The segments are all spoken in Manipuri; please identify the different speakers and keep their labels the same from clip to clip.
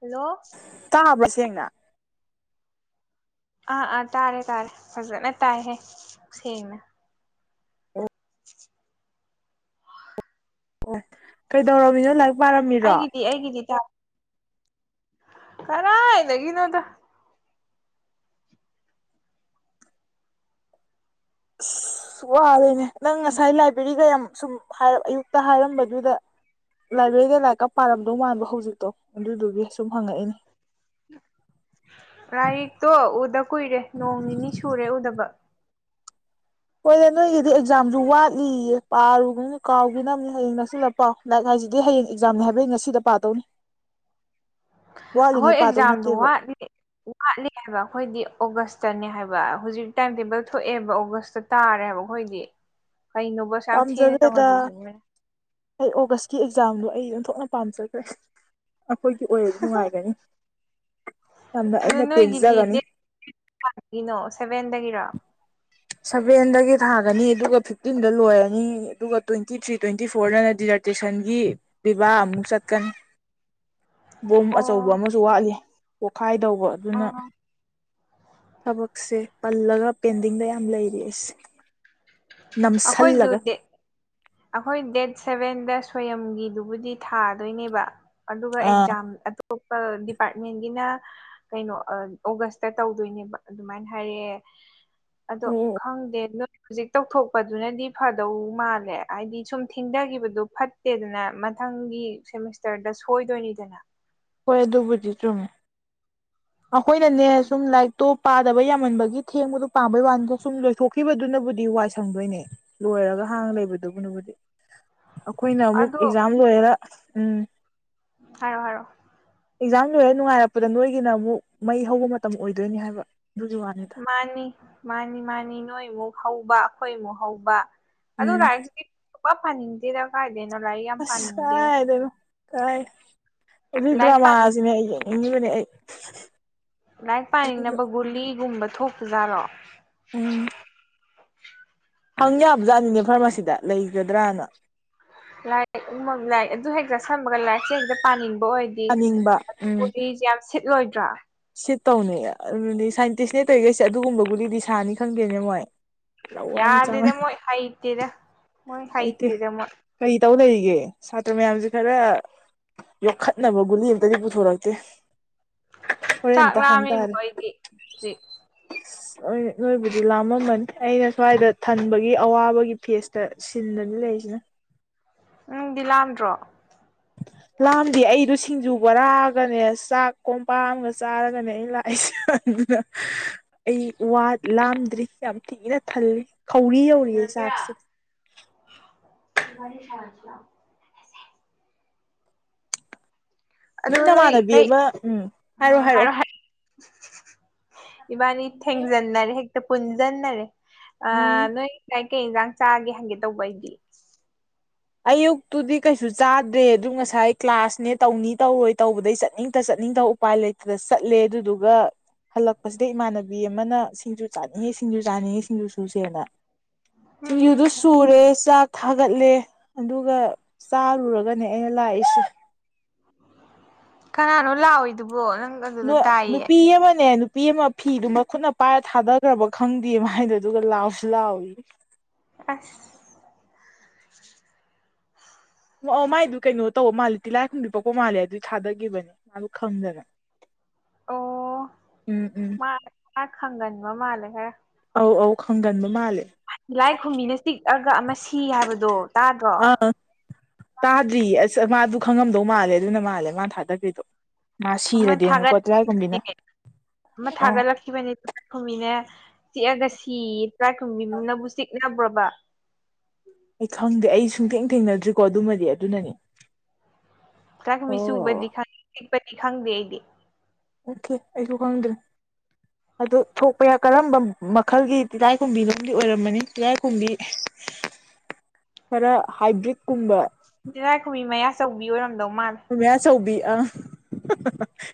Speaker 1: ꯍꯜꯂꯣ
Speaker 2: ꯇꯥꯕ꯭ꯔꯥ ꯁꯦꯡꯅ
Speaker 1: ꯑꯥ ꯑꯥ ꯇꯥꯔꯦ ꯇꯥꯔꯦ ꯐꯖꯅ ꯇꯥꯏꯍꯦ ꯁꯦꯡꯅ [inaudible]
Speaker 2: ꯑꯣ ꯀꯩꯗꯧꯔꯝꯃꯤꯅꯣ ꯂꯥꯏꯔꯤꯛ ꯄꯥꯔꯝꯃꯤꯔꯣ
Speaker 1: ꯑꯩꯒꯤꯗꯤ ꯑꯩꯒꯤꯗꯤ ꯇꯥꯛ ꯀꯗꯥꯥꯏꯗꯒꯤꯅꯣꯗ
Speaker 2: ꯑꯁ ꯋꯥꯔꯦꯅꯦ ꯅꯪ ꯉꯁꯥꯏ ꯂꯥꯏꯕꯦꯔꯤꯗ ꯌꯥꯝ ꯁꯨꯝ ꯍꯥꯏ ꯑꯌꯨꯛꯇ ꯍꯥꯏꯔꯝꯕꯗꯨꯗ ꯂꯥꯏꯕꯦꯔꯤꯗ ꯂꯥꯏꯔꯤꯛꯀ ꯄꯥꯔꯝꯗꯧ ꯃꯥꯟꯕ ꯍꯧꯖꯤꯛꯇꯣ ꯑꯗꯨꯗꯨꯒꯤ ꯁꯨꯝ ꯍꯪꯉꯛꯏꯅꯦ
Speaker 1: ꯂꯥꯏꯔꯤꯛꯇꯣ ꯎꯗꯥ ꯀꯨꯏꯔꯦ ꯅꯣꯡ ꯅꯤꯅꯤ ꯁꯨꯔꯦ ꯎꯗꯥꯕꯥ
Speaker 2: ꯍꯣꯏꯅꯦ ꯅꯣꯏꯒꯤꯗꯤ ꯑꯦꯛꯖꯥꯝꯁꯨ ꯋꯥꯠꯂꯤꯌꯦ ꯄꯥꯔꯨꯒꯤꯅꯨ ꯀꯥꯎꯒꯤꯅꯕꯅꯦ ꯍꯌꯦꯡ ꯅꯛꯁꯤꯜꯂ ꯄꯥꯎ ꯂꯥꯏꯛ ꯍꯥꯏꯁꯤꯗꯤ ꯍꯌꯦꯡ ꯑꯦꯛꯖꯥꯝꯅꯦ ꯍꯥꯏꯕꯩ ꯉꯁꯤꯗ ꯄꯥꯗꯧꯅꯤ ꯋꯥꯠꯂꯤꯉꯩ
Speaker 1: ꯑꯈꯣꯏ
Speaker 2: ꯄꯥꯗꯧ
Speaker 1: ꯑꯦꯛꯖꯥꯝꯗꯣ
Speaker 2: ꯅꯠꯇꯦꯕ
Speaker 1: ꯋꯥꯠꯂꯤ ꯋꯥꯠꯂꯤ ꯍꯥꯏꯕ ꯑꯈꯣꯏꯗꯤ ꯑꯣꯒꯁꯇꯅꯦ ꯍꯥꯏꯕ ꯍꯧꯖꯤꯛ ꯇꯥꯏꯝ ꯇꯦꯕꯜ ꯊꯣꯛꯑꯦꯕ ꯑꯣꯒꯁꯇ ꯇꯥꯔꯦ ꯍꯥꯏꯕ ꯈꯣꯏꯗꯤ ꯀꯩꯅꯣꯕ ꯁꯨ ꯌꯥꯝ ꯊꯦꯡꯅ
Speaker 2: ꯄꯥꯝꯖꯈ꯭ꯔꯦꯗ
Speaker 1: ꯇꯧꯍꯜꯂꯤꯁꯤ ꯃꯣꯏꯅ
Speaker 2: ꯑꯩ ꯑꯣꯒꯁꯀꯤ ꯑꯦꯛꯖꯥꯝꯗꯣ ꯑꯩ ꯑꯣꯟꯊꯣꯛꯅ ꯄꯥꯝꯖꯒ꯭ꯔꯦ ꯑꯈꯣꯏꯒꯤ ꯑꯣꯏꯔꯗꯤ ꯅꯨꯡꯉꯥꯏꯒꯅꯤ ꯌꯥꯝꯅ ꯑꯩꯅ ꯄꯦꯟꯖꯒꯅꯤ
Speaker 1: ꯥ [unintelligible] ꯒꯤꯅꯣ ꯁꯚꯦꯟꯗꯒꯤꯔꯥ
Speaker 2: ꯁꯚꯦꯟꯗꯒꯤ ꯊꯥꯒꯅꯤ ꯗꯨꯒ ꯐꯤꯐꯇꯤꯟꯗ ꯂꯣꯏꯔꯅꯤ ꯑꯗꯨꯒ ꯇ꯭ꯋꯦꯟꯇꯤ ꯊ꯭ꯔꯤ ꯇ꯭ꯋꯦꯟꯇꯤ ꯐꯣꯔ ꯗꯥꯏꯗ ꯗꯤꯖꯥꯔꯠ ꯇꯨꯏꯁꯟꯒꯤ ꯄꯤꯕꯥ ꯑꯃꯨꯛ ꯆꯠꯀꯅꯤ ꯕꯣꯝ ꯑꯆꯧꯕ
Speaker 1: ꯑꯣ
Speaker 2: ꯑꯃꯁꯨ ꯋꯥꯠꯂꯤ ꯄꯣꯈꯥꯏꯗꯧꯕ ꯑꯗꯨꯅ
Speaker 1: ꯑꯣ
Speaker 2: ꯊꯕꯛꯁꯦ ꯄꯜꯂꯒ ꯄꯦꯟꯗꯤꯡꯗ ꯌꯥꯝ ꯂꯩꯔꯤ ꯑꯩꯁꯦ
Speaker 1: ꯑꯈꯣꯏꯁꯨ
Speaker 2: ꯅꯝꯁꯜꯂꯒ
Speaker 1: ꯗꯦꯠ ꯑꯈꯣꯏ ꯗꯦꯠ ꯁꯚꯦꯟꯗ ꯁꯣꯌꯝꯒꯤꯗꯨꯕꯨꯗꯤ ꯊꯥꯗꯣꯏꯅꯦꯕ ꯑꯗꯨꯒ
Speaker 2: ꯑꯥ
Speaker 1: ꯑꯦꯛꯖꯥꯝ ꯑꯇꯣꯞꯄ ꯗꯤꯄꯥꯔꯠꯃꯦꯟꯒꯤꯅ ꯀꯩꯅꯣ ꯑꯥ ꯑꯣꯒꯁꯇ ꯇꯧꯗꯣꯏꯅꯦꯕ ꯑꯗꯨꯃꯥꯏ ꯍꯥꯏꯔꯦꯑꯦ ꯑꯗꯣ
Speaker 2: ꯑꯣ
Speaker 1: ꯈꯪꯗꯦ ꯅꯣꯏ ꯍꯨꯖꯤꯛ ꯇꯧꯊꯣꯛꯄꯗꯨꯅꯗꯤ ꯐꯗꯧ ꯃꯥꯜꯂꯦ ꯍꯥꯏꯗꯤ ꯁꯨꯝ ꯊꯦꯡꯗꯒꯤꯕꯗꯣ ꯐꯠꯇꯦꯗꯅ ꯃꯊꯪꯒꯤ ꯁꯦꯃꯤꯁꯇꯔꯗ ꯁꯣꯏꯗꯣꯏꯅꯤꯗꯅ
Speaker 2: ꯍꯣꯏ ꯑꯗꯨꯕꯨꯗꯤ ꯆꯨꯝꯃꯦ ꯑꯈꯣꯏꯅꯅꯦ ꯁꯨꯝ ꯂꯥꯏꯔꯤꯛꯇꯣ ꯄꯥꯗꯥꯕ ꯌꯥꯃꯟꯕꯒꯤ ꯊꯦꯡꯕꯗꯣ ꯄꯥꯝꯕꯩ ꯋꯥꯅꯤꯗ ꯁꯨꯝ ꯊꯣꯛꯈꯤꯕꯗꯨꯅꯕꯨꯗꯤ ꯋꯥꯏ ꯁꯪꯗꯣꯏꯅꯦ ꯂꯣꯏꯔꯒ ꯍꯥꯡꯉꯥ ꯂꯩꯕꯗꯨꯕꯨꯅꯕꯨꯗꯤ ꯑꯈꯣꯏꯅ ꯑꯃꯨꯛ
Speaker 1: ꯑꯗꯣ
Speaker 2: ꯑꯦꯛꯖꯥꯝ ꯂꯣꯏꯔꯒ ꯎꯝ
Speaker 1: ꯍꯥꯏꯌꯣ‌ ꯍꯥꯏꯔꯣ
Speaker 2: ꯑꯦꯛꯖꯥꯝ ꯂꯣꯏꯔ ꯅꯨꯡꯉꯥꯏꯔꯛꯄꯗ ꯅꯣꯏꯒꯤꯅ ꯑꯃꯨꯛ ꯃꯩ ꯍꯧꯕ ꯃꯇꯝ ꯑꯣꯏꯗꯣꯏꯅꯦ ꯍꯥꯏꯕ ꯗꯨꯒꯤ ꯋꯥꯅꯤ꯫
Speaker 1: ꯃꯥꯅꯤ ꯃꯥꯅꯤ ꯃꯥꯅꯤ ꯅꯣꯏꯃꯨꯛ ꯍꯧꯕ ꯑꯈꯣꯏꯃꯨꯛ ꯍꯧꯕ ꯑꯗꯨ
Speaker 2: ꯎꯝ
Speaker 1: ꯂꯥꯏꯔꯤꯛꯁꯤꯗꯤ ꯁꯨꯡꯄꯥ ꯄꯥꯅꯤꯡꯗꯦꯗ ꯀꯥꯏꯗꯩꯅꯣ ꯂꯥꯏꯔꯤꯛ ꯌꯥꯝ ꯄꯥꯅꯤꯡꯗꯦ
Speaker 2: ꯇꯥꯏ ꯑꯗꯨ
Speaker 1: ꯂꯥꯏꯔꯤꯛ ꯄꯥ
Speaker 2: ꯗ꯭ꯔꯃꯥ ꯁꯤꯅꯦ ꯌꯦꯡꯅꯤꯡꯉꯤꯕꯅꯦ ꯑꯩ
Speaker 1: ꯂꯥꯏꯔꯤꯛ ꯄꯥꯅꯤꯡꯅꯕ ꯒꯨꯂꯤꯒꯨꯝꯕ ꯊꯣꯛꯇꯖꯥꯠꯔꯣ
Speaker 2: ꯎꯝ ꯍꯪ ꯌꯥꯕꯖꯥꯠꯅꯤꯅꯦ ꯐꯥꯔꯃꯥꯁꯤꯗ ꯂꯩꯒꯗꯔꯅ
Speaker 1: ꯂꯥꯏꯔꯤꯛꯒꯨꯝꯕ ꯂꯥꯏꯔꯤꯛ ꯑꯗꯨ ꯍꯦꯛ ꯆꯥꯁꯟꯕꯒ ꯂꯥꯏꯔꯤꯛꯁꯦ ꯍꯦꯛꯇ ꯄꯥꯅꯤꯡꯕ ꯑꯣꯏ ꯗꯤ
Speaker 2: ꯊꯥꯅꯤꯡꯕ
Speaker 1: ꯑꯗꯨ ꯒꯨꯂꯤꯖꯦ ꯌꯥꯝ ꯁꯤꯠꯂꯣꯏꯗ꯭ꯔꯥ
Speaker 2: ꯁꯤꯇꯧꯅꯦ ꯑꯗꯨꯗꯤ ꯁꯥꯏꯟꯇꯤꯁꯅꯦ ꯇꯧꯔꯤꯈꯩꯖꯦ ꯑꯗꯨꯒꯨꯝꯕ ꯒꯨꯂꯤꯗꯤ ꯁꯥꯅꯤ ꯈꯪꯗꯦꯅꯦ ꯃꯣꯏ ꯂꯋꯥꯏ ꯃꯆꯥ
Speaker 1: ꯌꯥꯗꯦꯗ
Speaker 2: ꯃꯌꯥꯝ
Speaker 1: ꯃꯣꯏ ꯍꯩꯇꯦꯗ ꯃꯣꯏ ꯍꯩꯇꯦꯗ ꯃꯣꯏ
Speaker 2: ꯀꯩ ꯇꯧ ꯂꯩꯔꯤꯒꯦ ꯁꯥꯇ꯭ꯔ ꯃꯌꯥꯝꯖꯦ ꯈꯔ ꯌꯣꯛꯈꯠꯅꯕ ꯒꯨꯂꯤ ꯑꯃꯝꯇꯗꯤ ꯄꯨꯊꯣꯔꯛꯇꯦ ꯍꯣꯔꯦꯟ
Speaker 1: ꯆꯥꯛ
Speaker 2: ꯑꯝꯇ
Speaker 1: ꯂꯥꯝꯃꯦꯕꯦ ꯑꯩꯗꯤ ꯍꯨꯖꯤꯛ
Speaker 2: ꯑꯩ ꯅꯣꯏꯕꯨꯗꯤ ꯂꯥꯝꯃꯝꯃꯅꯤ ꯑꯩꯅ ꯁ꯭ꯋꯥꯏꯗ ꯊꯟꯕꯒꯤ ꯑꯋꯥꯕꯒꯤ ꯐꯦꯁꯇ ꯁꯤꯟꯗꯅꯤ ꯂꯩꯁꯤꯅ
Speaker 1: ꯅꯪꯗꯤ ꯂꯥꯝꯗ꯭ꯔꯣ [inaudible]
Speaker 2: ꯂꯥꯝꯗꯦ ꯑꯩꯗꯣ ꯁꯤꯡꯖꯨ ꯕꯣꯔꯥꯒꯅꯦ ꯆꯥꯛ ꯀꯣꯝꯄꯛꯑꯝꯒ ꯆꯥꯔꯒꯅꯦ ꯑꯩꯅ ꯂꯥꯛꯏꯁꯦ ꯑꯗꯨꯅ
Speaker 1: [inaudible]
Speaker 2: ꯑꯩ ꯋꯥꯠ ꯂꯥꯝꯗ꯭ꯔꯤ ꯌꯥꯝ ꯊꯤꯅ ꯊꯜꯂꯤ ꯈꯧꯔꯤ ꯌꯧꯔꯤꯌꯦ ꯆꯥꯛꯁꯦ
Speaker 1: [unintelligible] ꯋꯥꯔꯤ ꯁꯟꯅꯁꯤ ꯂꯥꯛꯑꯣ ꯑꯗꯨ ꯅꯣꯏ
Speaker 2: ꯅꯃꯥꯟꯅꯕꯤ
Speaker 1: ꯀꯩ
Speaker 2: ꯑꯃ ꯎꯝ
Speaker 1: ꯎꯝ ꯍꯥꯏꯔꯣ
Speaker 2: ꯍꯥꯏꯔꯛꯑꯣ
Speaker 1: ꯍꯥꯠ ꯏꯕꯥꯅꯤ ꯊꯦꯡꯖꯟꯅꯔꯦ ꯍꯛꯇ ꯄꯨꯟꯖꯟꯅꯔꯦ
Speaker 2: ꯎꯝ
Speaker 1: ꯑꯥ ꯅꯣꯏꯒꯤ ꯉꯁꯥꯏ ꯀꯩ ꯏꯟꯖꯥꯡ ꯆꯥꯒꯦ ꯍꯪꯒꯦ ꯇꯧꯕ ꯑꯩꯗꯤ
Speaker 2: ꯑꯌꯨꯛꯇꯨꯗꯤ ꯀꯩꯁꯨ ꯆꯥꯗꯦ ꯑꯗꯨ ꯉꯁꯥꯏ ꯀ꯭ꯂꯥꯁꯅꯦ ꯇꯧꯅꯤ ꯇꯧꯔꯣꯏ ꯇꯧꯕꯗꯩ ꯆꯠꯅꯤꯡꯇ ꯆꯠꯅꯤꯡꯇ ꯎꯄꯥꯥꯏ ꯂꯩꯇꯗ ꯆꯠꯂꯦ ꯑꯗꯨꯗꯨꯒ ꯍꯜꯂꯛꯄꯁꯤꯗ ꯏꯃꯥꯟꯅꯕꯤ ꯑꯃꯅ ꯁꯤꯡꯖꯨ ꯆꯥꯅꯤꯡꯉꯦ ꯁꯤꯡꯖꯨ ꯆꯥꯅꯤꯡꯉꯦ ꯁꯤꯡꯖꯨ ꯁꯨꯖꯦꯅ
Speaker 1: ꯎꯝ
Speaker 2: ꯁꯤꯡꯖꯨꯗꯨ ꯁꯨꯔꯦ ꯆꯥꯛ ꯊꯥꯒꯠꯂꯦ ꯑꯗꯨꯒ ꯆꯥꯔꯨꯔꯒꯅꯦ ꯑꯩꯅ ꯂꯥꯛꯏꯁꯦ
Speaker 1: ꯀꯅꯥꯅꯣ ꯂꯥꯎꯋꯤꯗꯨꯕꯣ ꯅꯪ ꯑꯗꯨꯗ
Speaker 2: ꯅꯣꯏ
Speaker 1: ꯇꯥꯏꯌꯦ
Speaker 2: ꯅꯨꯄꯤ ꯑꯃꯅꯦ ꯅꯨꯄꯤ ꯑꯃ ꯐꯤꯗꯨ ꯃꯈꯨꯠꯅ ꯄꯥꯏꯔ ꯊꯥꯗꯒ꯭ꯔꯕ ꯈꯪꯗꯦꯌꯦ ꯃꯥꯏꯗꯣ ꯑꯗꯨꯒ ꯂꯥꯎꯁꯨ ꯂꯥꯎꯔꯤꯌꯦ
Speaker 1: ꯑꯁ
Speaker 2: ꯑꯣ ꯃꯥꯏꯗꯨ ꯀꯩꯅꯣ ꯇꯧꯕ ꯃꯥꯜꯂꯤ ꯇꯤꯂꯥꯏꯈꯨꯝꯕꯤ ꯄꯛꯄ ꯃꯥꯜꯂꯦ ꯑꯗꯨꯏ ꯊꯥꯗꯒꯤꯕꯅꯤ ꯃꯥꯗꯨ ꯈꯪꯗꯅ
Speaker 1: [inaudible]
Speaker 2: ꯎꯝ ꯎꯝ
Speaker 1: ꯃꯥ ꯃꯥ ꯈꯪꯒꯟꯕ ꯃꯥꯜꯂꯦ ꯈꯔ ꯈꯪꯒꯟꯕ ꯃꯥꯜꯂꯦ ꯈꯔ
Speaker 2: ꯑꯧ ꯑꯧ ꯈꯪꯒꯟꯕ ꯃꯥꯜꯂꯦ
Speaker 1: ꯂꯥꯏꯈꯨꯝꯕꯤꯅ ꯇꯤꯛꯑꯒ ꯑꯃ ꯁꯤ ꯍꯥꯏꯕꯗꯣ ꯇꯥꯗ꯭ꯔꯣ
Speaker 2: ꯑꯥ ꯇꯥꯗ꯭ꯔꯤꯌꯦ ꯑꯁ ꯃꯥ ꯑꯗꯨ ꯈꯪꯉꯝꯗꯧ ꯃꯥꯜꯂꯦ ꯑꯗꯨꯅ ꯃꯥꯜꯂꯦ ꯃꯥꯅ ꯊꯥꯗꯒ꯭ꯔꯤꯗꯣ ꯃꯥ
Speaker 1: ꯑꯃ
Speaker 2: ꯁꯤꯔꯗꯤꯅꯀꯣ
Speaker 1: ꯊꯥꯒꯠ
Speaker 2: ꯇꯤꯔꯥꯏꯈꯨꯝꯕꯤꯅ ꯑꯣ
Speaker 1: [unintelligible] ꯇ꯭ꯔꯥꯏꯈꯨꯝꯕꯤꯅ ꯆꯤꯛꯑꯒ ꯁꯤ ꯑꯌꯦ ꯇꯔꯥꯏꯈꯨꯝꯕꯤꯅꯕꯨ ꯆꯤꯛꯅꯕ꯭ꯔꯣꯕ
Speaker 2: ꯑꯩ ꯈꯪꯗꯦ ꯑꯩ ꯁꯨꯡꯊꯦꯡ ꯊꯦꯡꯅꯗ꯭ꯔꯤꯀꯣ ꯑꯗꯨꯃꯗꯤ ꯑꯗꯨꯅꯅꯤ
Speaker 1: ꯇꯤꯂꯥꯏꯈꯨꯝꯕꯤ
Speaker 2: ꯑꯣ
Speaker 1: ꯆꯨꯕꯗꯤ ꯈꯪꯉꯤ ꯆꯤꯛꯄꯗꯤ ꯈꯪꯗꯦ ꯑꯩꯗꯤ
Speaker 2: [unintelligible] ꯑꯩꯁꯨ ꯈꯪꯗ꯭ꯔꯤ ꯑꯗꯨ ꯊꯣꯛꯄ ꯌꯥꯏ ꯀꯔꯝꯕ ꯃꯈꯜꯒꯤ ꯇꯤꯂꯥꯏꯈꯨꯝꯕꯤꯅꯣꯝꯗꯤ ꯑꯣꯏꯔꯝꯃꯅꯤ ꯇꯤꯂꯥꯏꯈꯨꯝꯕꯤ ꯈ꯭ꯔ ꯍꯥꯏꯕ꯭ꯔꯤꯠꯀꯨꯝꯕ
Speaker 1: ꯇꯤꯂꯥꯏꯈꯨꯝꯕꯤ ꯃꯌꯥ ꯆꯧꯕꯤ ꯑꯣꯏꯔꯝꯗꯧ ꯃꯥꯜꯂꯦ
Speaker 2: ꯃꯌꯥꯆꯧꯕꯤ ꯑꯪ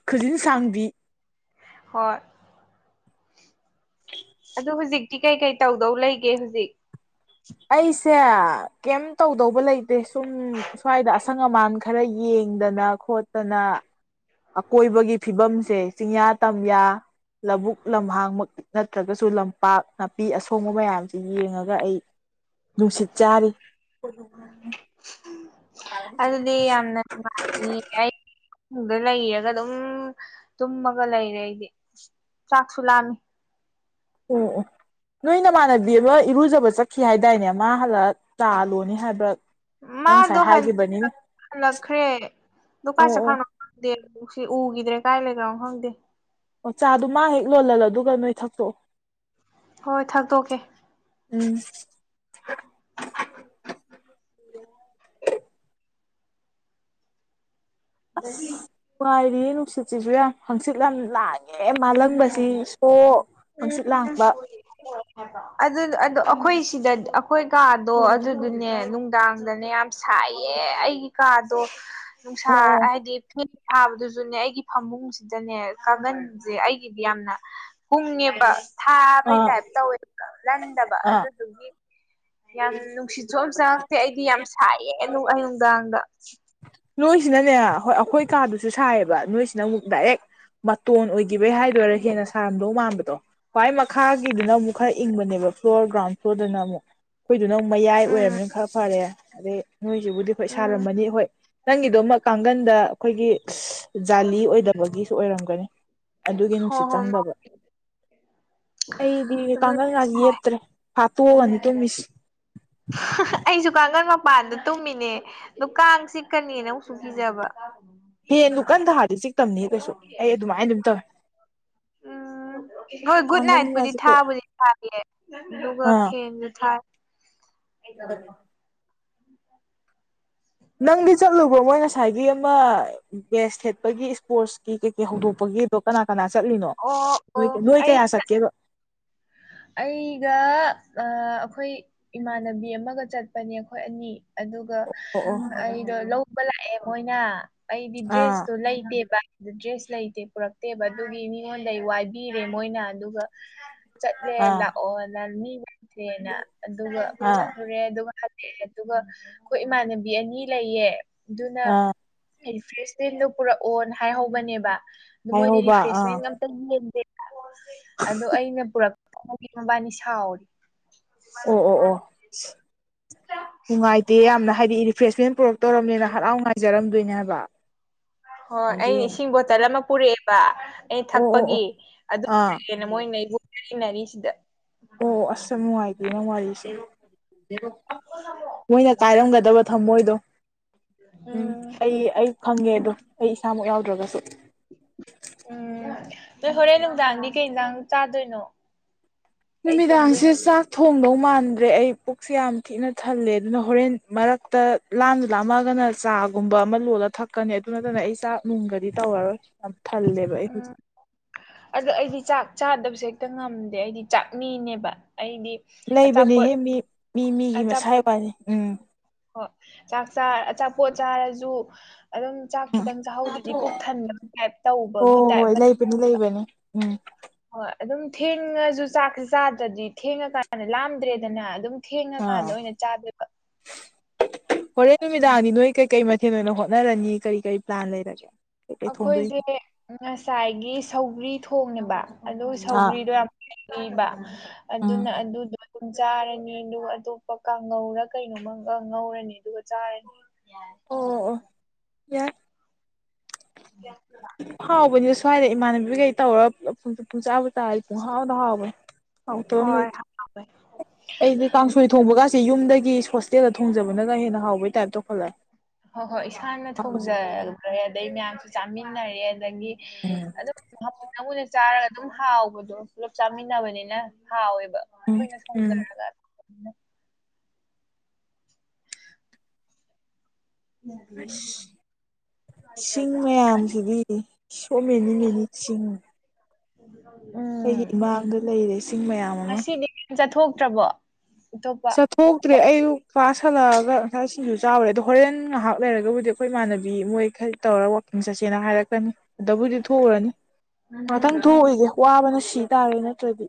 Speaker 2: ꯈꯨꯖꯤꯟ ꯁꯥꯡꯕꯤ
Speaker 1: ꯍꯣꯏ ꯑꯗꯨ ꯍꯧꯖꯤꯛꯇꯤ ꯀꯩ ꯀꯩ ꯇꯧꯗꯧ ꯂꯩꯒꯦ ꯍꯧꯖꯤꯛ
Speaker 2: ꯑꯩꯁꯦ ꯀꯩꯝ ꯇꯧꯗꯧꯕ ꯂꯩꯇꯦ ꯁꯨꯝ ꯁ꯭ꯋꯥꯏꯗ ꯑꯁꯪ ꯑꯃꯥꯟ ꯈꯔ ꯌꯦꯡꯗꯅ ꯈꯣꯠꯇꯅ ꯑꯀꯣꯏꯕꯒꯤ ꯐꯤꯕꯝꯁꯦ ꯆꯤꯡꯌꯥ ꯇꯝꯌꯥ ꯂꯧꯕꯨꯛ ꯂꯝꯍꯥꯡꯃꯛ ꯅꯠꯇ꯭ꯔꯒꯁꯨ ꯂꯝꯄꯥꯛ ꯅꯥꯄꯤ ꯑꯁꯣꯡꯕ ꯃꯌꯥꯝꯁꯤ ꯌꯦꯡꯉꯒ ꯑꯩ ꯅꯨꯡꯁꯤꯠ ꯆꯥꯔꯤ [unintelligible] ꯑꯣ
Speaker 1: ꯑꯗꯨꯗꯤ ꯌꯥꯝꯅ ꯅꯨꯡꯉꯥꯏꯅꯤ ꯑꯩꯗ ꯂꯩꯔꯒ ꯑꯗꯨꯝ ꯇꯨꯝꯃꯒ ꯂꯩꯔꯦ ꯑꯩꯗꯤ ꯆꯥꯛꯁꯨ ꯂꯥꯝꯃꯤ
Speaker 2: ꯎꯝ ꯎꯝ ꯅꯣꯏ ꯅꯃꯥꯟꯅꯕꯤ ꯑꯃ ꯏꯔꯨꯖꯕ ꯆꯠꯈꯤ ꯍꯥꯏꯗꯥꯏꯅꯦ ꯃꯥ ꯍꯜꯂ ꯆꯥꯂꯣꯅꯤ ꯍꯥꯏꯕ꯭ꯔꯥ ꯅꯪ ꯉꯁꯥꯏ
Speaker 1: ꯃꯥꯗꯣ
Speaker 2: ꯍꯥꯏꯈꯤꯕꯅꯤꯅꯦ
Speaker 1: ꯍꯜꯂꯛꯈ꯭ꯔꯦ ꯗꯨ
Speaker 2: ꯑꯣ
Speaker 1: ꯀꯥꯏ
Speaker 2: ꯑꯣ
Speaker 1: ꯆꯠꯈꯔ ꯈꯪꯗꯦ ꯁꯤ ꯎꯈꯤꯗ꯭ꯔꯦ ꯀꯥꯏ ꯂꯩꯈꯔꯝꯅꯣ ꯈꯪꯗꯦ
Speaker 2: ꯑꯣ ꯆꯥꯗꯣ ꯃꯥ ꯍꯦꯛ ꯂꯣꯜꯍꯜꯂꯣ ꯑꯗꯨꯒ ꯅꯣꯏ ꯊꯛꯇꯣꯛꯑꯣ
Speaker 1: ꯍꯣꯏ ꯊꯛꯇꯣꯛꯀꯦ
Speaker 2: ꯎꯝ
Speaker 1: [unintelligible]
Speaker 2: ꯅꯨꯡꯉꯥꯏꯔꯤ ꯅꯨꯡꯁꯤꯠꯁꯤꯁꯨ ꯌꯥꯝ ꯍꯪꯆꯤꯠ ꯌꯥꯝ ꯂꯥꯡ ꯑꯦ ꯃꯥꯜꯂꯪꯕꯁꯤ ꯁꯣ ꯍꯪꯆꯤꯠ ꯂꯥꯡꯕ
Speaker 1: ꯑꯗꯨꯅꯦ ꯑꯗꯨ ꯑꯩꯈꯣꯏ ꯁꯤꯗ ꯑꯩꯈꯣꯏ ꯀꯥꯗꯣ ꯑꯗꯨꯗꯨꯅꯦ ꯅꯨꯡꯗꯥꯡꯗꯅꯦ ꯌꯥꯝ ꯁꯥꯏꯌꯦ ꯑꯩꯒꯤ ꯀꯥꯗꯣ ꯅꯨꯡꯁꯥ
Speaker 2: ꯑꯣ ꯑꯣ
Speaker 1: ꯍꯥꯏꯗꯤ ꯐ ꯊꯥꯕꯗꯨꯁꯨꯅꯦ ꯑꯩꯒꯤ ꯐꯃꯨꯡꯁꯤꯗꯅꯦ ꯀꯥꯡꯒꯟ ꯁꯦ ꯑꯩꯒꯤꯗꯤ ꯌꯥꯝꯅ ꯍꯨꯡꯉꯦꯕ ꯊꯥꯕꯩ
Speaker 2: ꯑꯥ
Speaker 1: ꯇꯥꯏꯞ ꯇꯧꯋꯦꯕ ꯂꯟꯗꯕ
Speaker 2: ꯑꯥ
Speaker 1: ꯑꯗꯨꯗꯨꯒꯤ ꯌꯥꯝ ꯅꯨꯡꯁꯤꯠꯁꯨ ꯑꯝ ꯆꯪꯉꯛꯇꯦ ꯑꯩꯗꯤ ꯌꯥꯝ ꯁꯥꯏꯌꯦ ꯑ ꯅꯨꯡꯗꯥꯡꯗ
Speaker 2: ꯅꯣꯏꯁꯤꯅꯅꯦ ꯍꯣꯏ ꯑꯩꯈꯣꯏ ꯀꯥꯗꯨꯁꯨ ꯁꯥꯏꯌꯦꯕ ꯅꯣꯏꯁꯤꯅ ꯑꯃꯨꯛ ꯗꯥꯏꯔꯦꯛ ꯃꯇꯣꯟ ꯑꯣꯏꯒ ꯈꯤꯕꯩ ꯍꯥꯏꯗꯣꯏꯔꯥ ꯍꯦꯟꯅ ꯁꯥꯔꯝꯗꯧ ꯃꯥꯟꯕꯗꯣ ꯍ꯭ꯏ ꯃꯈꯥꯒꯤꯗꯨꯅ ꯑꯃꯨꯛ ꯈꯔ ꯏꯪꯕꯅꯦꯕ ꯐ꯭ꯂꯣꯔ ꯒ꯭ꯔꯥꯎꯟ ꯁꯣꯗꯅ ꯑꯃꯨꯛ ꯑꯩꯈꯣꯏꯗꯨꯅ ꯑꯃꯨꯛ ꯃꯌꯥꯏ
Speaker 1: ꯎꯝ
Speaker 2: ꯑꯣꯏꯔꯕꯝꯅꯤꯅ ꯈꯔ ꯐꯔꯦ ꯑꯗꯩ ꯅꯣꯏꯁꯤꯕꯨꯗꯤ ꯍꯈꯣꯏ
Speaker 1: ꯎꯝ
Speaker 2: ꯁꯥꯔꯝꯃꯅꯤ ꯍꯣꯏ ꯅꯪꯒꯤꯗꯣꯃꯛ ꯀꯥꯡꯒꯟꯗ ꯑꯩꯈꯣꯏꯒꯤ ꯖꯥꯂꯤ ꯑꯣꯏꯗꯕꯒꯤꯁꯨ ꯑꯣꯏꯔꯝꯒꯅꯤ ꯑꯗꯨꯒꯤ
Speaker 1: ꯍꯣ
Speaker 2: ꯅꯨꯡꯁꯤꯠ
Speaker 1: ꯍꯣ
Speaker 2: ꯆꯪꯗꯕ ꯑꯩꯗꯤ
Speaker 1: ꯑꯗꯨ
Speaker 2: ꯀꯥꯡꯈꯜ ꯉꯁꯤ ꯌꯦꯠꯇ꯭ꯔꯦ ꯐꯥꯠꯇꯣꯛꯑꯒꯅꯤ ꯇꯨꯝꯃꯤꯁꯤ
Speaker 1: ꯑꯩꯁꯨ ꯀꯥꯡꯒꯜ ꯃꯄꯥꯟꯗ ꯇꯨꯝꯃꯤꯅꯦ ꯑꯗꯨ ꯀꯥꯡ ꯆꯤꯛꯀꯅꯦꯅ ꯑꯃꯨꯛꯁꯨ ꯀꯤꯖꯕ
Speaker 2: ꯐꯦꯟꯗꯨ ꯀꯟ ꯊꯥꯔꯗꯤ ꯆꯤꯛꯇꯝꯅꯤꯍꯦ ꯀꯩꯁꯨ ꯑꯩ ꯑꯗꯨꯃꯥꯏꯅ ꯑꯗꯨꯝ ꯇꯧꯋꯦ
Speaker 1: ꯎꯝ ꯍꯣꯏ ꯒꯨꯗ ꯅꯥꯏꯠꯄꯨꯗꯤ
Speaker 2: ꯀꯥꯡꯒꯟꯒꯥꯁꯦ ꯀꯩ
Speaker 1: ꯊꯥꯕꯨꯗꯤ ꯊꯥꯕꯤꯌꯦ ꯑꯗꯨꯒ
Speaker 2: ꯑꯥ
Speaker 1: ꯐꯦꯟꯁꯨ ꯊꯥꯏ
Speaker 2: [unintelligible] ꯅꯪꯗꯤ ꯆꯠꯂꯨꯕꯣ ꯃꯣꯏ ꯉꯁꯥꯏꯒꯤ ꯑꯃ ꯕꯦꯁ ꯈꯦꯠꯄꯒꯤ ꯏꯁꯄꯣꯔꯠꯁ ꯀ ꯀꯦ ꯀꯩꯀꯩ ꯍꯧꯗꯣꯛꯄꯒꯤꯗꯣ ꯀꯅꯥ ꯀꯅꯥ ꯆꯠꯂꯤꯅꯣ
Speaker 1: ꯑꯣ ꯑꯣ
Speaker 2: ꯅ ꯅꯣꯏ
Speaker 1: ꯑꯩ
Speaker 2: ꯀꯌꯥ ꯆꯠꯀꯦꯕ
Speaker 1: ꯑꯩꯒ ꯑꯩꯈꯣꯏ ꯏꯃꯥꯟꯅꯕꯤ ꯑꯃꯒ ꯆꯠꯄꯅꯦ ꯑꯩꯈꯣꯏ ꯑꯅꯤ ꯑꯗꯨꯒ
Speaker 2: ꯑꯣ ꯑꯣ
Speaker 1: ꯑꯩꯗꯣ ꯂꯧꯕ ꯂꯥꯛꯑꯦ ꯃꯣꯏꯅ ꯑꯩꯗꯤ
Speaker 2: ꯑꯥ
Speaker 1: ꯗ꯭ꯔꯦꯁꯇꯣ ꯂꯩꯇꯦꯕ ꯑꯗꯨ ꯗ꯭ꯔꯦꯁ ꯂꯩꯇꯦ ꯄꯨꯔꯛꯇꯦꯕ ꯑꯗꯨꯒꯤ ꯃꯤꯉꯣꯟꯗ ꯋꯥꯏꯕꯤꯔꯦ ꯃꯣꯏꯅ ꯑꯗꯨꯒ ꯆꯠꯂꯦ
Speaker 2: ꯑꯥ
Speaker 1: ꯂꯥꯛꯑꯣ ꯅ ꯃꯤ ꯂꯩꯇꯔ꯭ꯦ ꯅ ꯑꯗꯨꯒ
Speaker 2: ꯑꯥ
Speaker 1: ꯆꯠꯂꯨꯔꯦ ꯑꯗꯨꯒ ꯍꯜꯂꯑꯦ ꯑꯗꯨꯒ ꯑꯩꯈꯣꯏ ꯏꯃꯥꯟꯅꯕꯤ ꯑꯅꯤ ꯂꯩꯌꯦ ꯑꯗꯨꯅ
Speaker 2: ꯑꯥ
Speaker 1: ꯔꯤꯐ꯭ꯔꯦꯁꯃꯦꯟꯗꯣ ꯄꯨꯔꯛꯑꯣꯅ ꯍꯥꯏꯍꯧꯕꯅꯦꯕ ꯑꯗꯨ ꯃꯣꯏꯗꯤ
Speaker 2: ꯍꯥꯏꯍꯧꯕ ꯑꯥ
Speaker 1: ꯔꯤꯐ꯭ꯔꯦꯁꯃꯦꯟꯒ [unintelligible] ꯗꯦ ꯑꯗꯣ ꯑꯩꯅ ꯄꯨꯔꯛꯄꯒꯤ ꯃꯕꯥꯅꯤ ꯁꯥꯎꯔꯤ
Speaker 2: ꯑꯣ ꯑꯣ ꯑꯣ ꯅꯨꯡꯉꯥꯏꯇꯦ ꯌꯥꯝꯅ ꯍꯥꯏꯗꯤ ꯔꯤꯐꯔ꯭ꯦ ꯁ ꯃꯦꯟ ꯄꯨꯔꯛ ꯇꯧꯔꯝꯅꯦꯅ ꯍꯔꯥꯎ ꯉꯥꯏꯖꯔꯝꯗꯣꯏꯅꯦꯕ
Speaker 1: ꯍꯣꯏ ꯑꯩꯅ ꯏꯁꯤꯡ ꯕꯣꯇꯜ ꯑꯃ ꯄꯨꯔꯛꯑꯦꯕ ꯑꯩꯅ
Speaker 2: ꯑꯣ ꯑꯣ ꯑꯣ
Speaker 1: ꯊꯛꯄꯒꯤ ꯑꯗꯨ
Speaker 2: ꯑꯥ
Speaker 1: ꯃꯣꯏꯈꯩ [unintelligible] ꯁꯤꯗ
Speaker 2: ꯑꯣ ꯑꯁ ꯌꯥꯝ ꯅꯨꯡꯉꯥꯏꯇꯦꯉꯣ ꯋꯥꯔꯤꯁꯦ ꯃꯣꯏꯅ ꯀꯥꯏꯔꯝꯒꯗꯕ ꯊꯃꯣꯏꯗꯣ ꯎꯝ ꯑꯩ ꯑꯩ ꯈꯪꯉꯦ ꯑꯗꯣ ꯑꯩ ꯏꯁꯥꯃꯛ ꯌꯥꯎꯗ꯭ꯔꯒꯁꯨ
Speaker 1: ꯎꯝ ꯅꯣꯏ ꯍꯣꯔꯦꯟ ꯅꯨꯡꯗꯥꯡꯗꯤ ꯀꯩ ꯏꯟꯁꯥꯡ ꯆꯥꯗꯣꯏꯅꯣ ꯀꯩ
Speaker 2: ꯅꯨꯃꯤꯗꯥꯡꯁꯦ
Speaker 1: ꯊꯣꯡꯗꯣꯏꯅꯣ
Speaker 2: ꯆꯥꯛ ꯊꯣꯡꯗꯧ ꯃꯥꯟꯗ꯭ꯔꯦ ꯑꯩ ꯄꯨꯛꯁꯦ ꯌꯥꯝ ꯊꯤꯅ ꯊꯜꯂꯦ ꯑꯗꯨꯅ ꯍꯣꯔꯦꯟ ꯃꯔꯛꯇ ꯂꯥꯝꯗ ꯂꯥꯝꯃꯛꯑꯒꯅ ꯆꯥꯒꯨꯝꯕ ꯑꯃ ꯂꯣꯜꯂ ꯊꯛꯀꯅꯤ ꯑꯗꯨ ꯅꯠꯇꯅ ꯑꯩ ꯆꯥꯛ ꯅꯨꯡꯒꯗꯤ ꯇꯧꯔꯔꯣꯏ ꯌꯥꯝ ꯊꯜꯂꯦꯕ ꯑꯩ ꯍꯨꯖꯤ
Speaker 1: ꯑꯗꯣ ꯑꯩꯗꯤ ꯆꯥꯛ ꯆꯥꯗꯕꯁꯦ ꯍꯦꯛꯇ ꯉꯝꯗꯦ ꯑꯩꯗꯤ ꯆꯥꯛꯃꯤꯅꯦꯕ ꯑꯩꯗꯤ
Speaker 2: ꯂꯩꯕꯅꯦ
Speaker 1: ꯑꯆꯥꯄꯣꯠ
Speaker 2: ꯍꯦ ꯃꯤ ꯃꯤ ꯃꯤꯒꯤ ꯃꯁꯥꯏ ꯋꯥꯅꯤ ꯎꯝ
Speaker 1: ꯍ ꯆꯥꯛ ꯆ ꯑꯆꯥꯄꯣꯠ ꯆꯥꯔꯖꯨ ꯑꯔ‌‌ꯪ ꯆꯥꯛ
Speaker 2: ꯎꯝ
Speaker 1: ꯈꯤꯇꯪ ꯆꯥꯍꯧꯗꯔꯗꯤ ꯄꯨꯛ ꯊꯟꯗꯕꯒꯤ ꯇꯥꯏꯞ ꯇꯧꯕꯒꯤ ꯇꯥꯏꯞ ꯃꯠ
Speaker 2: ꯗꯨ ꯂꯩꯕꯅꯤ ꯎꯝ
Speaker 1: ꯍꯣꯏ ꯑꯗꯨꯝ ꯊꯦꯡꯉꯖꯨ ꯆꯥꯛꯁꯤ ꯆꯥꯗ꯭ꯔꯗꯤ ꯊꯦꯡꯉ ꯀꯥꯟꯗ ꯂꯥꯝꯗ꯭ꯔꯦꯗꯅ ꯑꯗꯨꯝ ꯊꯦꯡꯉ
Speaker 2: ꯑꯥ
Speaker 1: ꯀꯥꯟꯗ ꯑꯣꯏꯅ ꯆꯥꯗꯣꯏ ꯕꯥ
Speaker 2: ꯍꯣꯔꯦꯟ ꯅꯨꯃꯤꯗꯥꯡꯗꯤ ꯅꯣꯏ ꯀꯩꯀꯩ ꯃꯊꯦꯜ ꯑꯣꯏꯅ ꯍꯣꯠꯅꯔꯅꯤ ꯀꯔꯤ ꯀꯔꯤ ꯄ꯭ꯂꯥꯟ ꯂꯩꯔꯒꯦ ꯀꯩꯀꯩ ꯊꯣꯡꯗꯣꯏꯅꯣ
Speaker 1: ꯑꯈꯣꯏꯖ‌ꯦ ꯉꯁꯥꯏꯒꯤ ꯁꯧꯒ꯭ꯔꯤ ꯊꯣꯡꯉ‌ꯦꯕ ꯑꯗꯨ
Speaker 2: ꯑꯥ
Speaker 1: ꯁꯧꯒ꯭ꯔꯤꯗꯣ ꯌꯥꯝ ꯏꯕꯥ
Speaker 2: ꯎꯝ
Speaker 1: ꯑꯗꯨꯅ ꯑꯗꯨ ꯎꯝ ꯆꯥꯔꯅꯤ ꯑꯗꯨꯒ ꯑꯇꯣꯞꯄ ꯀꯥꯡꯉꯧꯔ ꯀꯩꯅꯣꯝꯃꯥ ꯒꯥ ꯉꯧꯔꯅꯤ ꯑꯗꯨꯒ ꯆꯥꯔꯅꯤ
Speaker 2: ꯑꯣ ꯑꯣ ꯑ‌ꯣ ꯌꯥꯏ ꯍꯥꯎꯕꯅꯤ ꯁ꯭ꯋꯥꯏꯗ ꯏꯃꯥꯟꯅꯕꯤ ꯒꯩ ꯇꯧꯔ ꯄꯨꯂꯞ ꯄꯨꯟ ꯄꯨꯟ ꯄꯨꯟ ꯆꯥꯕ ꯇꯥꯏꯞ ꯄꯨꯡ ꯍꯥꯎꯗ ꯍꯥꯎꯕꯟ ꯍꯥꯎ ꯇꯕꯝ ꯂꯩ
Speaker 1: ꯍꯣꯏ [unintelligible]
Speaker 2: ꯑꯩꯗꯤ ꯀꯥꯡꯁꯣꯏ ꯊꯣꯡꯕꯒꯥꯁꯦ ꯌꯨꯝꯗꯒꯤ ꯍꯣꯁꯇꯦꯜꯗ ꯊꯣꯡꯖꯕꯅꯒ ꯍꯦꯟꯅ ꯍꯥꯎꯕꯩ ꯇꯥꯏꯞ ꯇꯧꯈꯜꯂꯦ
Speaker 1: ꯍꯣ ꯍꯣꯏ ꯏꯁꯥꯅ ꯊꯣꯡꯖꯈ꯭ꯔꯦ ꯑꯗꯩ ꯃꯌꯥꯝꯁꯨ ꯆꯥꯃꯤꯟꯅꯔꯦ ꯑꯗꯒꯤ
Speaker 2: ꯎꯝ
Speaker 1: ꯑꯗꯨ [unintelligible] ꯆꯥꯔꯒ ꯑꯗꯨꯝ ꯍꯥꯎꯕꯗꯣ ꯄꯨꯂꯞ ꯆꯥꯃꯤꯟ ꯅꯕꯅꯤꯅ ꯍꯥꯎꯋꯦꯕ
Speaker 2: ꯎꯝ
Speaker 1: ꯑꯈꯣꯏꯅ
Speaker 2: ꯎꯝ
Speaker 1: ꯊ‌ꯣꯡꯖꯔꯒ [unintelligible] ꯑꯗꯩꯗꯤ ꯃ‌ꯦꯆꯤꯟ
Speaker 2: ꯁꯤꯡ ꯃꯌꯥꯝꯁꯤꯗꯤ ꯁꯣ ꯃꯦꯅꯤ ꯃꯦꯅꯤ ꯆꯤꯡ
Speaker 1: ꯎꯝ
Speaker 2: ꯑꯩꯒꯤ ꯏꯃꯥꯡꯗ ꯂꯩꯔꯦ ꯁꯤꯡ ꯃꯌꯥꯝ ꯑꯝꯃꯥ
Speaker 1: ꯉꯁꯤꯗꯤ ꯀꯩꯝ ꯆꯠꯊꯣꯛꯇ꯭ꯔꯕꯣ ꯑꯇꯣꯞꯄ
Speaker 2: ꯊꯣꯛꯇ꯭ꯔꯦ ꯑꯌꯨꯛ ꯀꯂꯥꯁ ꯍꯂꯥ ꯑꯒ ꯉꯁꯥꯏ ꯁꯤꯡꯖꯨ ꯆꯥꯎꯔꯦ ꯑꯗꯣ ꯍꯣꯔꯦꯟ ꯉꯍꯥꯛ ꯂꯩꯔꯒꯕꯨꯗꯤ ꯑꯈꯣꯏ ꯏꯃꯥꯟꯅꯕꯤ ꯃꯣꯏꯈꯩ ꯇꯧꯔ ꯋꯥꯛꯀꯤꯡ ꯆꯠꯁꯦꯅ ꯍꯥꯏꯔꯛꯀꯅꯤ ꯑꯗ ꯕꯨꯗꯤ ꯊꯣꯎꯔ ꯅꯤ ꯉꯍꯥꯇꯪ
Speaker 1: ꯎꯝ
Speaker 2: ꯊꯣꯎꯏꯒ‌ꯦ ꯋꯥꯕꯅ ꯁꯤ ꯇꯥꯔꯦ ꯅꯠꯇ꯭ꯔꯗꯤ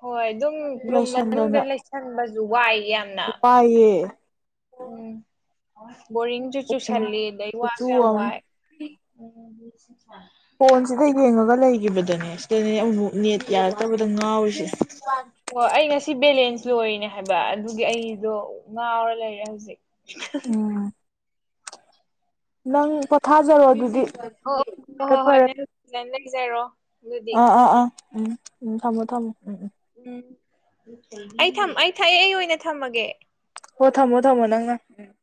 Speaker 1: ꯍꯣꯏ ꯑꯗꯨꯝ ꯔꯨꯝ ꯃꯅꯨꯡꯗ ꯂꯩꯁꯟꯕꯖꯨ ꯋꯥꯏ ꯌꯥꯝ
Speaker 2: ꯅꯨꯄꯥꯏ ꯌꯦ
Speaker 1: ꯎꯝ ꯕꯣꯔꯤꯡꯖꯨ ꯆꯨꯁꯜꯂꯤ ꯑꯗꯩ
Speaker 2: ꯈꯨꯠꯆꯨ
Speaker 1: ꯋꯥꯁꯨ ꯌꯥꯝ
Speaker 2: ꯑꯃꯅꯦ
Speaker 1: ꯋꯥꯏ [unintelligible]
Speaker 2: ꯐꯣꯟ ꯁꯤꯗ ꯌꯦꯡꯉꯒ ꯂꯩꯒꯤꯕꯗꯅꯦ ꯁꯤꯗꯅꯦ ꯑꯃꯨ ꯑꯃꯨꯛ ꯅꯦꯠ ꯌꯥꯔꯛꯇꯕꯗ ꯉꯥꯎꯔꯤꯁꯦ
Speaker 1: ꯑꯣ ꯑꯩ ꯉꯁꯤ ꯕꯦꯂꯦꯟꯁ ꯂꯣꯏꯔꯤꯅꯦ ꯍꯥꯏꯕ ꯑꯗꯨꯒꯤ ꯑꯩꯗꯣ ꯉꯥꯎꯔ ꯂꯩꯔꯦ ꯍꯧꯖꯤꯛ [unintelligible]
Speaker 2: ꯎꯝ ꯅꯪ ꯄꯣꯊꯥꯖꯔꯣ ꯑꯗꯨꯗꯤ
Speaker 1: ꯍ‌ꯣ ꯍꯣ ꯍꯣ
Speaker 2: ꯐꯔꯦ
Speaker 1: ꯍꯣꯏ ꯅꯪ ꯖꯨ ꯐꯖꯟ ꯂꯩꯖꯔꯣ ꯑꯗꯨꯗꯤ
Speaker 2: ꯑ ꯑ ꯑ ꯎꯝ ꯎꯝ ꯊꯝꯃ‌ꯣ ꯊꯝꯃ‌ꯣ‌ ꯎꯝ ꯎꯝ
Speaker 1: ꯎꯝ ꯑꯩ ꯊꯝ ꯑꯩ ꯊꯑꯦ ꯑꯩ ꯑꯣꯏꯅ ꯊꯝꯃꯒꯦ
Speaker 2: ꯑ‌ꯣ ꯊꯝꯃꯣ ꯊꯝꯃꯣ ꯅꯪꯅ ꯎꯝ